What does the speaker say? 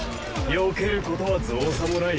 よけることは造作もない。